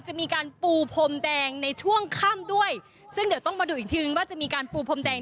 จะมีการปูพรมแดงในช่วงค่ำด้วยซึ่งเดี๋ยวต้องมาดูอีกทีนึงว่าจะมีการปูพรมแดง